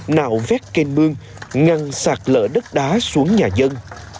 nạo vét kênh mương ngăn sạt lỡ đất đá xuống nhà dân